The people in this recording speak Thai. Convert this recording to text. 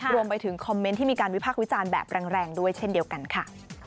รวมไปถึงคอมเมนต์ที่มีการวิพากษ์วิจารณ์แบบแรงด้วยเช่นเดียวกันค่ะ